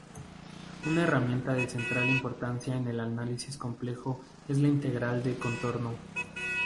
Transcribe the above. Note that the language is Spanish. Una herramienta de central importancia en el análisis complejo es la integral de contorno.